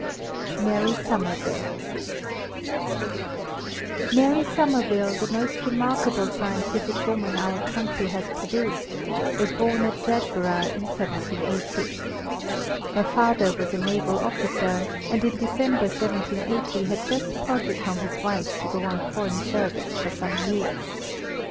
V MARY SOMERVILLE MARY SOMERVILLE, the most remarkable scientific woman our country has produced, was born at Jedburgh in 1780. Her father was a naval officer, and in December 1780 had just parted from his wife to go on foreign service for some years.